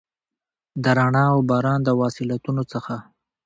د رڼا اوباران، د وصلتونو څخه،